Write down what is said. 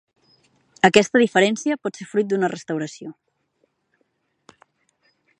Aquesta diferència pot ser fruit d'una restauració.